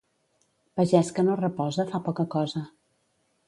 Pagès que no reposa fa poca cosa.